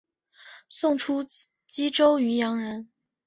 宋初蓟州渔阳人。